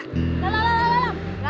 lelam lelam lelam